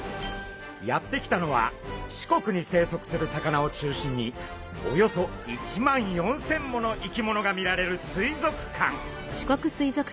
やって来たのは四国に生息する魚を中心におよそ１万４，０００もの生き物が見られる水族館！